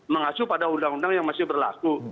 mengacu pada undang undang yang masih berlaku